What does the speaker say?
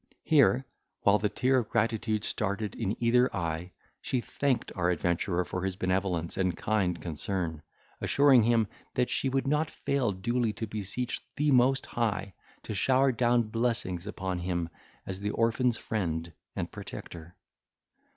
Here, while the tear of gratitude started in either eye, she thanked our adventurer for his benevolence and kind concern, assuring him, that she would not fail duly to beseech the Most High to shower down blessings upon him, as the orphan's friend and protector.